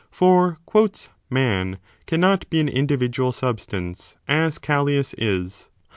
For Man can 5 not be an individual substance, as Callias is.